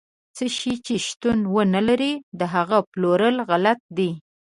څه شی چې شتون ونه لري، د هغه پلورل غلط دي.